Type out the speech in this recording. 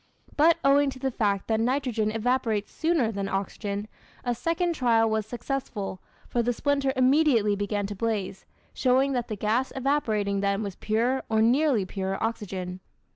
But owing to the fact that nitrogen evaporates sooner than oxygen, a second trial was successful, for the splinter immediately began to blaze, showing that the gas evaporating then was pure, or nearly pure, oxygen.